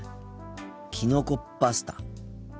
きのこパスタ。